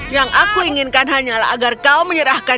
yang aku inginkan hanyalah agar kau menyerahkan